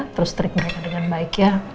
terus trik mereka dengan baik ya